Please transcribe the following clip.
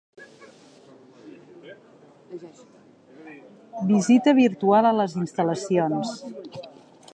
Visita virtual a les instal·lacions.